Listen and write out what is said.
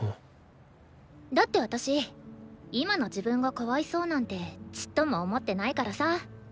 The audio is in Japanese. だって私今の自分がかわいそうなんてちっとも思ってないからさ。